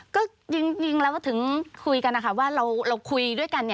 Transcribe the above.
ก็จริงแล้วก็ถึงคุยกันนะคะว่าเราคุยด้วยกัน